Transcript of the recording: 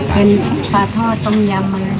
เป็นปลาทอดต้มยำ